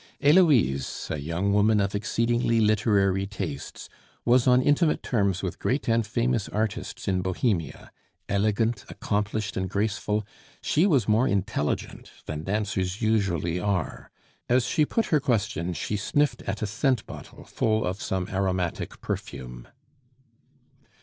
Heloise, a young woman of exceedingly literary tastes, was on intimate terms with great and famous artists in Bohemia. Elegant, accomplished, and graceful, she was more intelligent than dancers usually are. As she put her question, she sniffed at a scent bottle full of some aromatic perfume.